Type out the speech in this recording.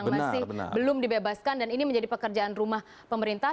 masih belum dibebaskan dan ini menjadi pekerjaan rumah pemerintah